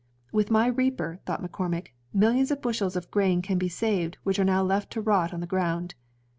'^With my reaper," thought McCormick, "millions of bushels of grain can be saved, which are now left to rot on the ground.